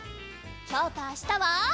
きょうとあしたは。